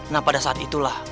nah pada saat itulah